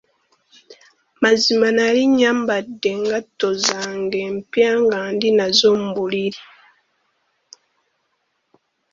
Mazima nali nyambadde engatto zange empya nga ndi nazo mu buliri.